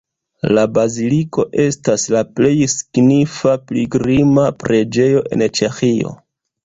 La baziliko estas la plej signifa pilgrima preĝejo en Ĉeĥio.